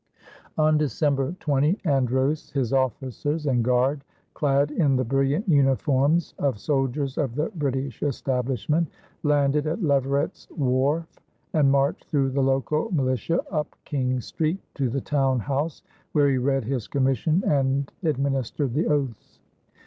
On December 20, Andros, his officers, and guard, clad in the brilliant uniforms of soldiers of the British establishment, landed at Leverett's wharf and marched through the local militia up King's Street to the Town House, where he read his commission and administered the oaths.